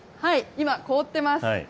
今、凍ってます。